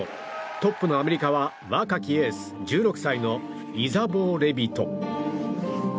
トップのアメリカは若きエース１６歳のイザボー・レビト。